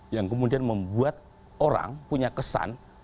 yang kemudian membuat orang punya kesan